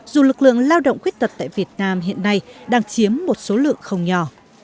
dù lực lượng lao động khuyết tật tại việt nam hiện nay đang chiếm một số lượng không nhỏ